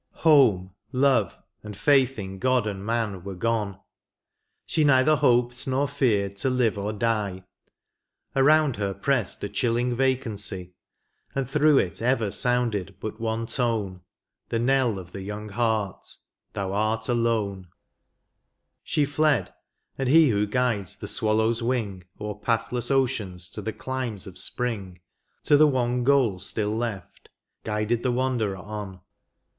Home, love, and faith in God and man were gone. She neither hoped nor feared to live or die ; Around her pressed a chilling vacancy, And through it ever sounded hut one tone, The knell of the young heart, *' thou art alone ;" She fled, and He who guides the swallow's wing O'er pathless oceans to the climes of spring To the one goal still left, guided the wanderer on.